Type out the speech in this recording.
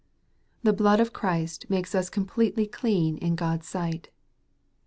361 The blood of Christ makes us completely clean in God's sight.